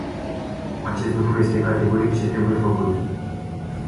Acest lucru este categoric ceea ce trebuie făcut.